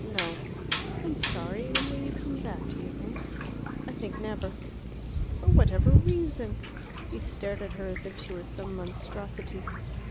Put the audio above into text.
"No." "I'm sorry. When will you come back, do you think?" "I think never." "For whatever reason?" He stared at her as if she were some monstrosity.